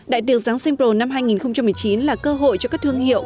đại tiệc giáng sinh pro năm hai nghìn một mươi chín là cơ hội cho các thương hiệu